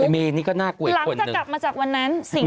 เมนี่ก็น่ากลัวอีกคนหนึ่ง